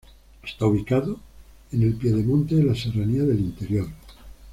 Está ubicado en el piedemonte de la Serranía del Interior.